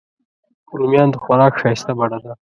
رومیان د خوراک ښایسته بڼه ده